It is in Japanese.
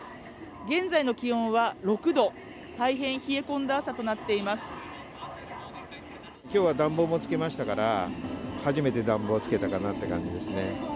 現在の気温は６度、きょうは暖房もつけましたから、初めて暖房つけたかなって感じですね。